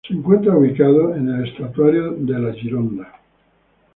Se encuentra ubicado en el estuario de la Gironda.